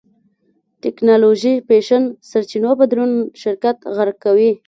ټېکنالوژي فېشن سرچينو بدلون شرکت غرق کوي.